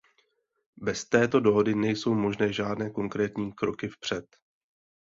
Bez této dohody nejsou možné žádné konkrétní kroky vpřed.